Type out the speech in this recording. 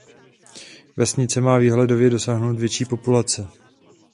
Vesnice má výhledově dosáhnout větší populace.